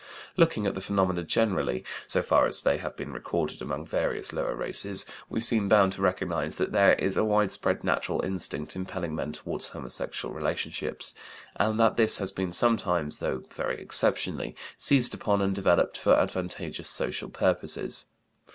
Looking at the phenomena generally, so far as they have been recorded among various lower races, we seem bound to recognize that there is a widespread natural instinct impelling men toward homosexual relationships, and that this has been sometimes, though very exceptionally, seized upon and developed for advantageous social purposes.